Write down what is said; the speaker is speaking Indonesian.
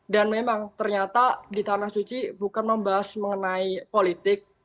dan memang ternyata di tanah suci bukan membahas mengenai politik